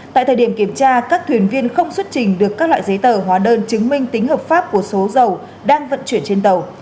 tại thời điểm kiểm tra các thuyền viên không xuất trình được các loại giấy tờ hóa đơn chứng minh tính hợp pháp của số dầu đang vận chuyển trên tàu